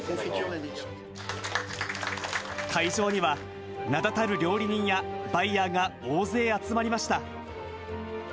会場には名だたる料理人やバイヤーが大勢集まりました。